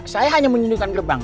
saya hanya menyunjukkan gerbang